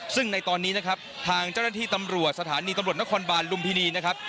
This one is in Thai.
ซึ่งในตอนนี้นะครับทางเจ้าหน้าที่ตำรวจสถานีตำรวจนครบาลลุมพินีนะครับ